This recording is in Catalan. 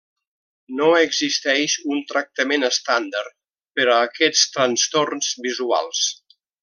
No existeix un tractament estàndard per a aquests trastorns visuals.